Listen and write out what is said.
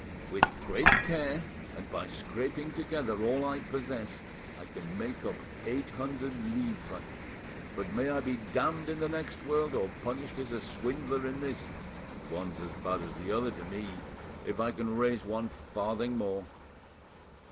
"With great care, and by scraping together all I possess, I can make up eight hundred livres. But may I be damned in the next world, or punished as a swindler in this, and one's as bad as the other to me, if I can raise one farthing more."